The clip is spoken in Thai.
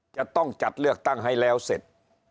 จะต้องจัดเลือกตั้งให้แล้วเสร็จ